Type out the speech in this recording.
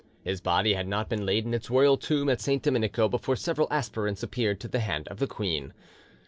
His body had not been laid in its royal tomb at Saint Domenico before several aspirants appeared to the hand of the queen.